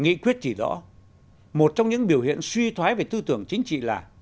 nghị quyết chỉ rõ một trong những biểu hiện suy thoái về tư tưởng chính trị là